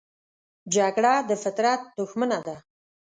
جګړه د فطرت دښمنه ده